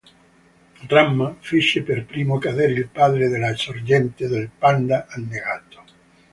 Ranma fece per primo cadere il padre nella sorgente del Panda annegato.